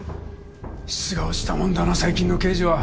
質が落ちたもんだな最近の刑事は。